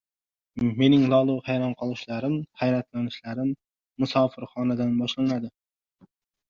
Mening lolu hayron qolishlarim, hayratlanishlarim musofirxonadan boshlandi.